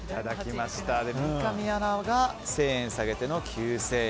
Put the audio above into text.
三上アナが１０００円下げての９０００円。